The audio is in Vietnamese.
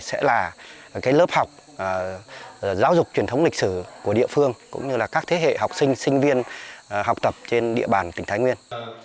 sẽ là lớp học giáo dục truyền thống lịch sử của địa phương cũng như là các thế hệ học sinh sinh viên học tập trên địa bàn tỉnh thái nguyên